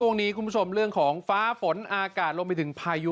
ช่วงนี้คุณผู้ชมเรื่องของฟ้าฝนอากาศลงไปถึงพายุ